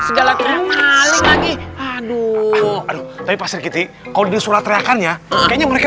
segala segala lagi haduh hadeh pasir gitu kalau disuruh teriakannya kayaknya mereka